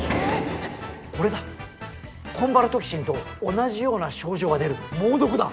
これだコンバラトキシンと同じような症状が出る猛毒だ。